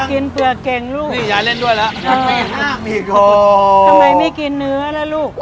เปลือกเก่งลูกนี่ยายเล่นด้วยแล้วทำไมไม่กินเนื้อแล้วลูก